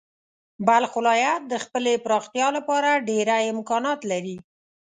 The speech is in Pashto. بلخ ولایت د خپلې پراختیا لپاره ډېری امکانات لري.